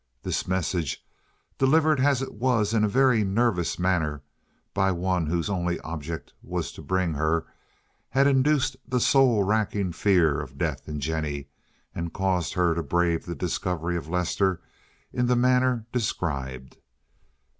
This message, delivered as it was in a very nervous manner by one whose only object was to bring her, had induced the soul racking fear of death in Jennie and caused her to brave the discovery of Lester in the manner described.